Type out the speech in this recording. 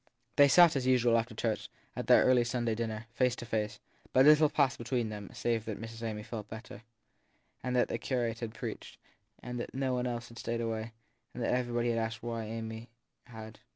They sat as usual, after church, at their early Sunday dinner, face to face; but little passed between them save that Miss Amy felt better, that the curate had preached, that nobody else had stayed away, and that everybody had asked why Amy had.